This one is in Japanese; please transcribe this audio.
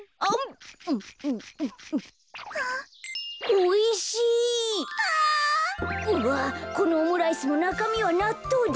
うわこのオムライスもなかみはなっとうだ！